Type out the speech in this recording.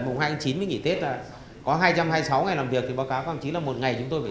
mùng hai chín mới nghỉ tết là có hai trăm hai mươi sáu ngày làm việc thì báo cáo của anh tuấn là một ngày chúng tôi phải